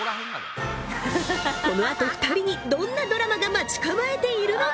このあと２人にどんなドラマが待ち構えているのか？